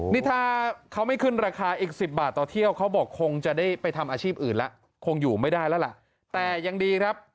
นี่ถ้าเขาไม่ขึ้นราคาอีก๑๐บาทต่อเที่ยวเขาบอกคงจะได้ไปทำอาชีพอื่นแล้วคงอยู่ไม่ได้แล้วล่ะแต่ยังดีครับ